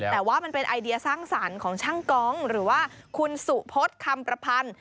แต่ว่ามันเป็นไอเดียสร้างสรรค์ของช่างกองหรือว่าคุณสุพศคำประพันธ์